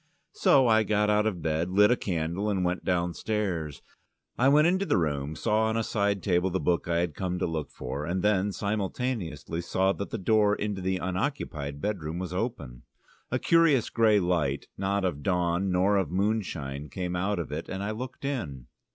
So I got out of bed, lit a candle, and went downstairs. I went into the room, saw on a side table the book I had come to look for, and then, simultaneously, saw that the door into the unoccupied bedroom was open. A curious grey light, not of dawn nor of moonshine, came out of it, and I looked in.